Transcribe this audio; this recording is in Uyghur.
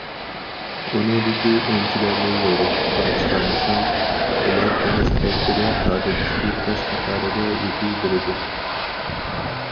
ئۇنىڭدىكى ئۈنچىلەرنى يورۇقلۇققا چىقارمىساڭ، ئۇلار دېڭىز تەكتىدە ئادەتتىكى تاش قاتارىدا يېتىۋېرىدۇ.